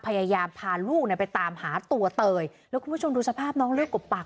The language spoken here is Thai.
พยายามพาลูกเนี่ยไปตามหาตัวเตยแล้วคุณผู้ชมดูสภาพน้องเลือดกบปาก